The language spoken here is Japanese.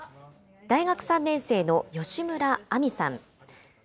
大学３年生の吉村亜美さん。